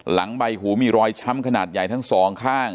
ใบหูมีรอยช้ำขนาดใหญ่ทั้งสองข้าง